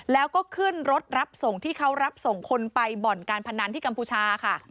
แล้วก็ขึ้นรถรับส่งที่เขารับส่งคนไปบ่อนการพนันที่กัมพูชาค่ะ